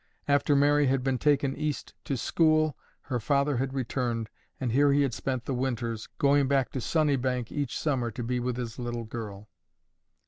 After Mary had been taken East to school, her father had returned, and here he had spent the winters, going back to Sunnybank each summer to be with his little girl.